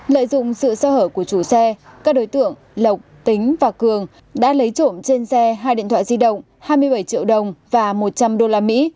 lợi dụng sự sơ khởi của chú xe các đối tượng lộc tính và cường đã lấy trộm trên xe hai điện thoại di động hai mươi bảy triệu đồng và một trăm linh đô la mỹ